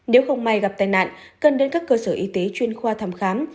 nếu không may gặp tai nạn cần đến các cơ sở y tế chuyên khoa thăm khám